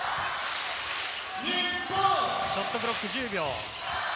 ショットクロック、１０秒。